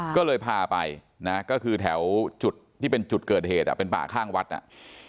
ก็เลยพาไปนะก็คือแถวจุดที่เป็นจุดเกิดเหตุอ่ะเป็นป่าข้างวัดอ่ะ